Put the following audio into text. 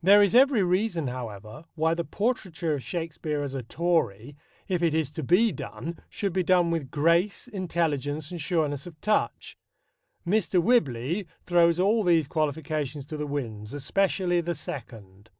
There is every reason, however, why the portraiture of Shakespeare as a Tory, if it is to be done, should be done with grace, intelligence, and sureness of touch. Mr. Whibley throws all these qualifications to the winds, especially the second.